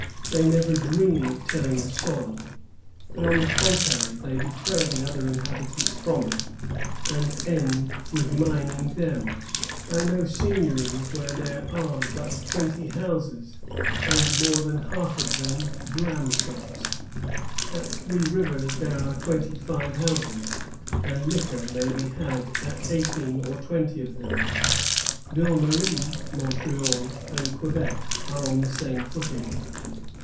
They never dream of tilling the soil ; but, on the contrary, they deter the other inhabitants from it, and end with ruining them. I know seign iories where there are but twenty houses, and more than half of them dram shops. At Three Rivers there are twenty five houses, and liquor may be had at eighteen or twenty of them. Villemarie [Montreal] and Quebec are on the same footing."